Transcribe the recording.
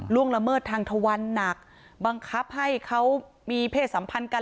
ละเมิดทางทวันหนักบังคับให้เขามีเพศสัมพันธ์กัน